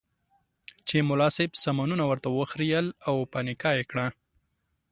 چې ملا صاحب سامانونه ورته وخریېل او په نکاح یې کړه.